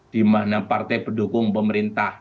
dimana partai pendukung pemerintah